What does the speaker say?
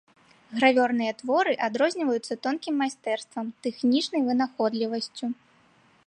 Гравёрныя творы адрозніваюцца тонкім майстэрствам, тэхнічнай вынаходлівасцю.